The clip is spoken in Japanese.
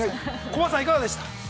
コバさん、いかがでした？